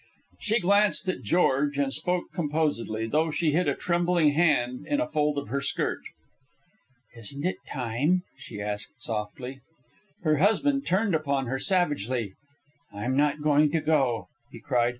She glanced at George and spoke composedly, though she hid a trembling hand in a fold of her skirt. "Isn't it time?" she asked softly. Her husband turned upon her savagely. "I'm not going to go!" he cried.